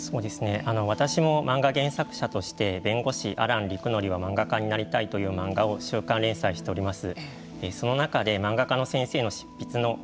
私も漫画原作者として「弁護士あらんりくのりは漫画家になりたい」という漫画を週刊連載しております。